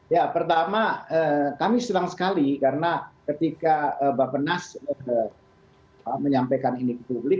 ya pertama kami senang sekali karena ketika bapak nas menyampaikan ini ke publik